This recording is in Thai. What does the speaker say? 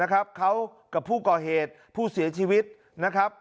เขากับผู้ก่อเหตุผู้เสียชีวิตนะครับ